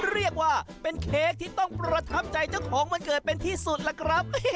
เรียกว่าเป็นเค้กที่ต้องประทับใจเจ้าของวันเกิดเป็นที่สุดล่ะครับ